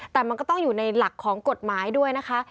แต่มันก็ต้องอยู่ในหลักของกฎหมายด้วยนะคะ